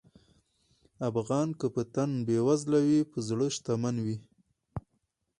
افغان که په تن بېوزله وي، په زړه شتمن وي.